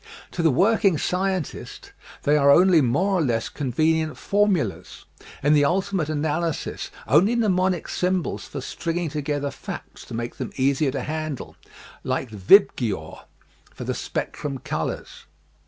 To the working scientist they are only more or SCIENTIFIC VS. LEGAL LAWS 106 less convenient formulas ; in the ultimate analysis only mnemonic symbols for stringing together facts to make them easier to handle, like inbgyor, for the spectrum colors.